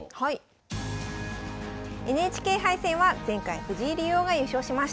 ＮＨＫ杯戦は前回藤井竜王が優勝しました。